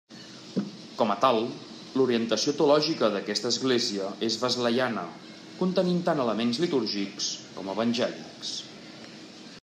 Com a tal, l'orientació teològica d'aquesta església és wesleyana, contenint tant elements litúrgics com evangèlics.